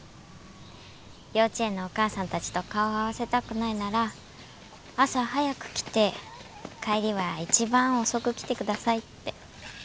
幼稚園のお母さんたちと顔を合わせたくないなら朝早く来て帰りは一番遅く来てくださいって。